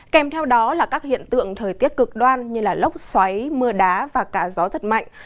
kèm theo đó là các hiện tượng thời tiết cực đoan như lốc xoáy mưa đá và cả gió rất mạnh